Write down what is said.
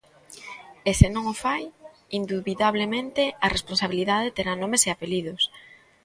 E, se non o fai, indubidablemente, a responsabilidade terá nomes e apelidos.